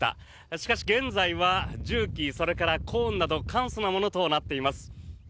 しかし、現在は重機、それからコーンなど簡素なものとなっています。